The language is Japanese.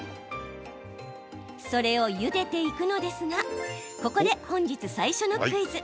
それをゆでていくのですがここで本日最初のクイズ。